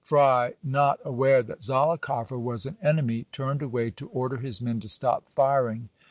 Fry, not aware that Zollicoffer was an enemy, turned away to order his men to stop firing.